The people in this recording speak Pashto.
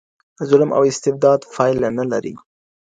ظلم او استبداد پايله نه لري.